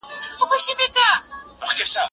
زه اوږده وخت ليکلي پاڼي ترتيب کوم؟!